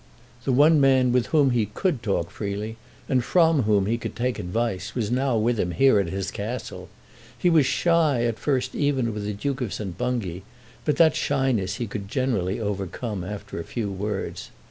The one man with whom he could talk freely, and from whom he could take advice, was now with him, here at his Castle. He was shy at first even with the Duke of St. Bungay, but that shyness he could generally overcome, after a few words.